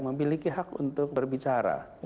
memiliki hak untuk berbicara